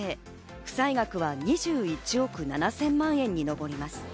負債額は２１億７０００万円に上ります。